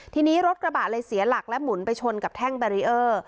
ทีนี้รถกระบะเลยเสียหลักและหมุนไปชนกับแท่งแบรีเออร์